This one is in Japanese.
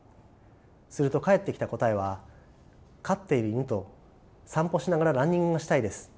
すると返ってきた答えは「飼っている犬と散歩しながらランニングがしたいです」というものでした。